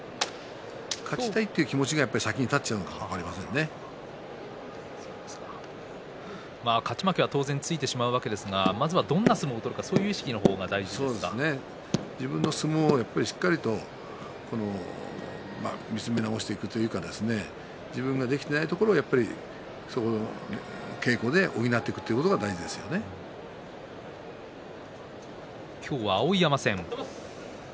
勝ちたいという気持ちが先に勝っちゃうのかも勝ち負けは当然ついてしまうわけですがまずはどういう相撲を取るかと自分の相撲をしっかりと見つめ直していくといいますか自分のできていないところを稽古で補っていくということが今日は碧山戦。